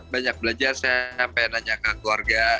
banyak belajar sampai nanya ke keluarga